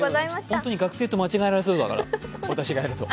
本当に学生と間違えられそうだから、私がやると。